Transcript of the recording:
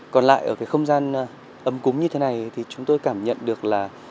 còn lại ở cái không gian ấm cúng như thế này thì chúng tôi cảm nhận được là